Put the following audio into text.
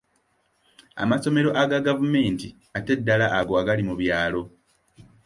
Amasomero aga gavumenti ate ddala ago agali mu byalo.